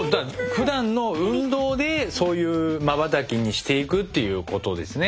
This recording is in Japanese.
ふだんの運動でそういうまばたきにしていくっていうことですね。